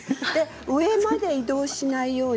上まで移動しないように。